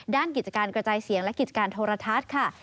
กิจการกระจายเสียงและกิจการโทรทัศน์ค่ะ